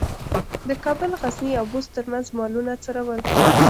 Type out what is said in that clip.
د کابل، غزني او بُست ترمنځ مالونه څرول.